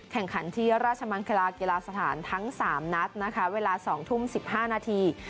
แข่งขันที่ราชมังคลากีฬาสถานทั้ง๓นัดนะคะเวลา๒ทุ่ม๑๕นาที